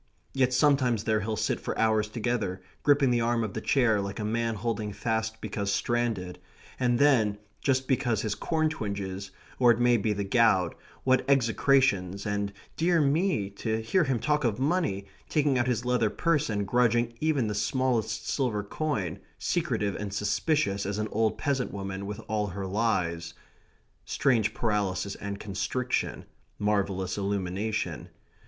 Yet sometimes there he'll sit for hours together, gripping the arm of the chair, like a man holding fast because stranded, and then, just because his corn twinges, or it may be the gout, what execrations, and, dear me, to hear him talk of money, taking out his leather purse and grudging even the smallest silver coin, secretive and suspicious as an old peasant woman with all her lies. Strange paralysis and constriction marvellous illumination.